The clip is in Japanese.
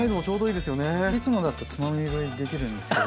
いつもだとつまみ食いできるんですけど。